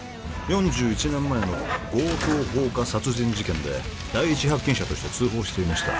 ４１年前の強盗放火殺人事件で第一発見者として通報していました